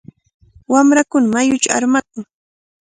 Wamrakuna mayuchaw armakun.